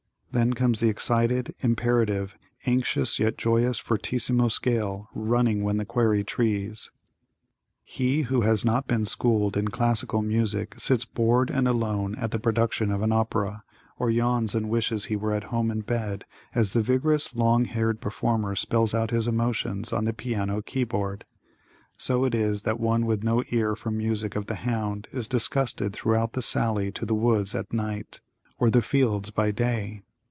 Then comes the excited, imperative, anxious yet joyous fortissimo scale running when the quarry trees. [Illustration: "Here He Is!"] He who has not been schooled in classical music sits bored and alone at the production of an opera, or yawns and wishes he were at home in bed, as the vigorous long haired performer spells out his emotions on the piano key board. So it is that one with no ear for music of the hound is disgusted thruout the sally to the woods at night, or the fields by day.